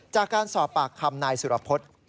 จากการสอบปากคำนายสุรพฤษ